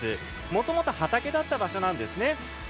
もともと畑だった場所なんです。